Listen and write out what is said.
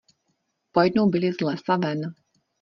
Pojednou byli z lesa ven.